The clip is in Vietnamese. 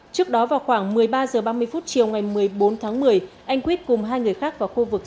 trước đó vào khoảng một mươi ba h ba mươi chiều ngày một mươi bốn tháng một mươi anh quýt cùng hai người khác vào khu vực